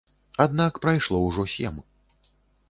Аднак прайшло ўжо сем.